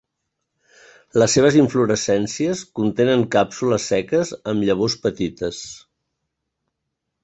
Les seves inflorescències contenen càpsules seques amb llavors petites.